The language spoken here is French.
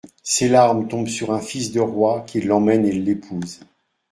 Ses larmes tombent sur un fils de roi, qui l'emmène et l'épouse.